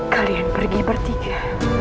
kalian pergi bertiga